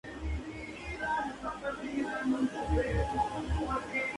Ese mismo año publicó "Mis pecados capitales.